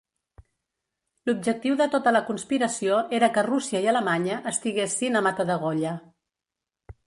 L'objectiu de tota la conspiració era que Rússia i Alemanya estiguessin a matadegolla.